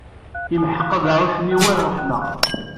Yemḥeq abeɛɛuc-nni war ṛṛeḥma.